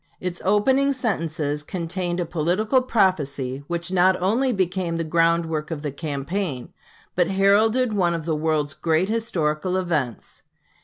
Its opening sentences contained a political prophecy which not only became the ground work of the campaign, but heralded one of the world's great historical events.